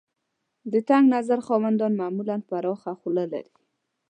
د تنګ نظر خاوندان معمولاً پراخه خوله لري.